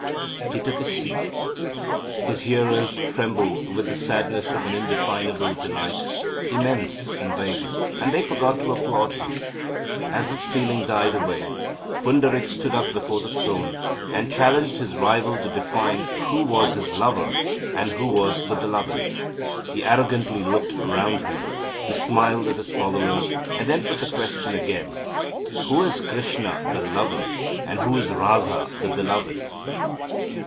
He took his seat. His hearers trembled with the sadness of an indefinable delight, immense and vague, and they forgot to applaud him. As this feeling died away Pundarik stood up before the throne and challenged his rival to define who was this Lover and who was the Beloved. He arrogantly looked around him, he smiled at his followers and then put the question again: "Who is Krishna, the lover, and who is Radha, the beloved?"